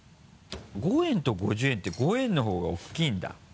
５円と５０円って５円のほうが大きいんだ。